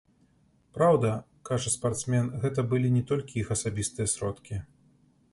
Праўда, кажа спартсмен, гэта былі не толькі іх асабістыя сродкі.